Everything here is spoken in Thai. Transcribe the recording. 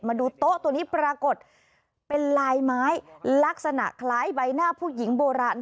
มาดูโต๊ะตัวนี้ปรากฏเป็นลายไม้ลักษณะคล้ายใบหน้าผู้หญิงโบราณ